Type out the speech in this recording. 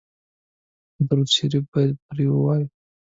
درود شریف باید پرې ووایو.